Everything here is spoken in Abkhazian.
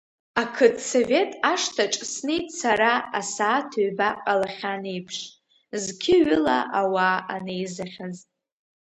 Ақыҭсовет ашҭаҿ снеит сара асааҭ ҩба ҟалахьан еиԥш, зқьы-ҩыла ауаа анеизахьаз.